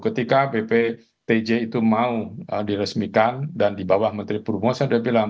ketika bptj itu mau diresmikan dan di bawah menteri purwo saya sudah bilang